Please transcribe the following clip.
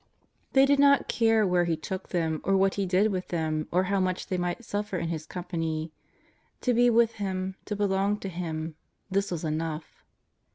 They did not care where He took them, or what He did with them, or how much they might suffer in His company. To be with Him, to belong to Him, this was enough.